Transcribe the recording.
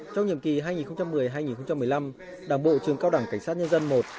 trong nhiệm kỳ hai nghìn một mươi hai nghìn một mươi năm đảng bộ trường cao đẳng cảnh sát nhân dân i